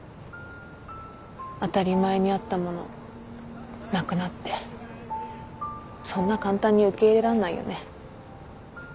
当たり前にあったものなくなってそんな簡単に受け入れらんないよね。